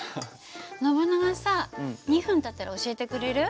ノブナガさ２分たったら教えてくれる？